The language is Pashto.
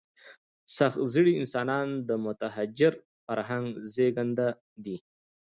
سخت زړي انسانان د متحجر فرهنګ زېږنده دي.